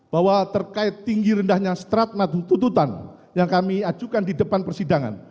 bahwa terkait tinggi rendahnya strat madu tututan yang kami ajukan di depan persidangan